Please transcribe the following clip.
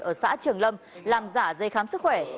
ở xã trường lâm làm giả dây khám sức khỏe